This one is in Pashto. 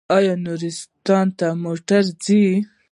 آیا نورستان ته موټر ځي؟